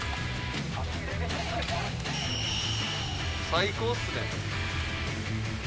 最高っすね。